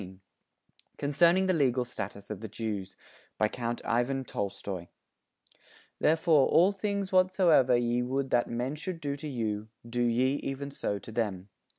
_ CONCERNING THE LEGAL STATUS OF THE JEWS BY COUNT IVAN TOLSTOY "Therefore all things whatsoever ye would that men should do to you, do ye even so to them."